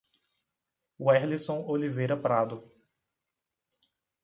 Werlison Oliveira Prado